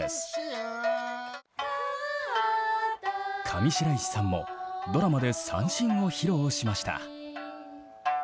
上白石さんもドラマで三線を披露しました。